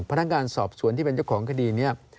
พนักงานสอบสวนที่เป็นเจ้าของคดีนี้